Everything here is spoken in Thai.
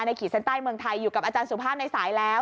ขีดเส้นใต้เมืองไทยอยู่กับอาจารย์สุภาพในสายแล้ว